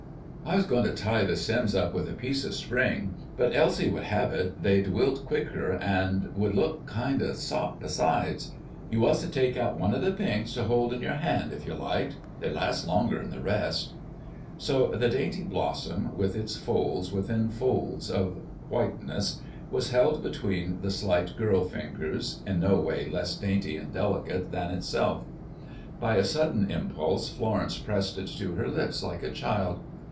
"I was going to tie the stems up with a piece of string, but Elsie would have it they'd wilt quicker, and would look kind o' sot besides. You was to take out one of the pinks to hold in your hand, if you liked. They last longer 'n the rest." So the dainty blossom, with its folds within folds of whiteness, was held between the slight girl fingers, in no way less dainty and delicate than itself. By a sudden impulse Florence pressed it to her lips like a child.